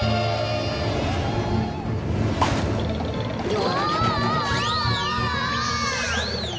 うわ！